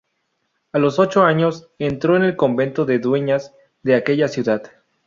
A los ocho años entró en el convento de Dueñas de aquella ciudad.